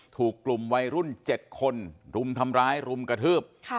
ถูกกลุ่มวัยรุ่น๗คนรุมทำร้ายรุมกระทืบ